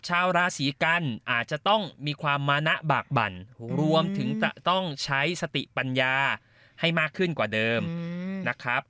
ชาวราศีกันอาจจะต้องมีความมานะบากบั่นรวมถึงจะต้องใช้สติปัญญาให้มากขึ้นกว่าเดิมนะครับ